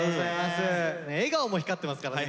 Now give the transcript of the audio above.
笑顔も光ってますからね。